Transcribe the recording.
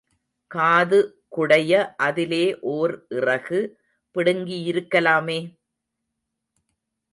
காது குடைய அதிலே ஒர் இறகு பிடுங்கியிருக்கலாமே?